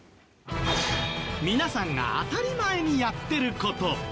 皆さんが当たり前にやってること。